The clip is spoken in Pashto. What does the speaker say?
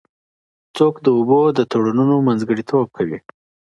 څوک د اوبو د تړونونو منځګړیتوب کوي؟